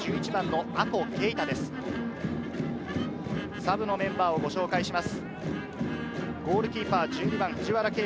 サブのメンバーをご紹介します。